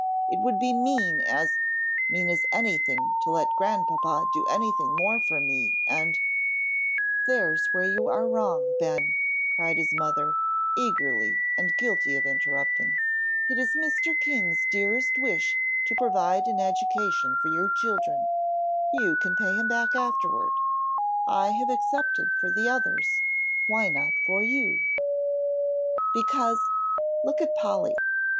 "It would be mean as mean as anything to let Grandpapa do anything more for me, and " "There's where you are wrong, Ben," cried his mother, eagerly, and guilty of interrupting, "it is Mr. King's dearest wish to provide an education for you children; you can pay him back afterward. I have accepted for the others; why not for you?" "Because, look at Polly.